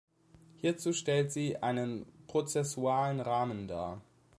Hierzu stellt sie einen prozessualen Rahmen dar.